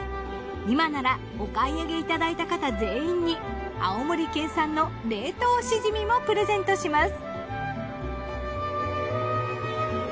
今ならお買い上げいただいた方全員に青森県産の冷凍しじみもプレゼントします。